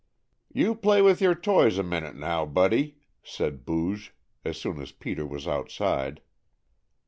"You play with your toys a minute, now, Buddy," said Booge, as soon as Peter was outside.